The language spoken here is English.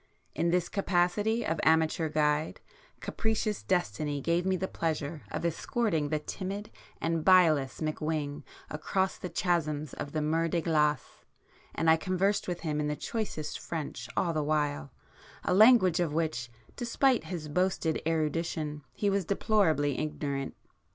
In this capacity of amateur guide, capricious destiny gave me the pleasure of escorting the timid and bilious McWhing across the chasms of the Mer de Glace, and I conversed with him in the choicest French all the while, a language of which, despite his boasted erudition, he was deplorably ignorant.